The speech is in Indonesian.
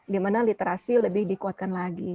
dimana literasi lebih dikuatkan lagi